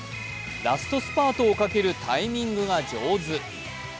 ラストスパートをかけるタイミングが上手。